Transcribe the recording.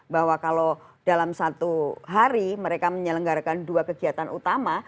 bahwa kalau dalam satu hari mereka menyelenggarakan dua kegiatan utama